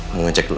mau ngecek dulu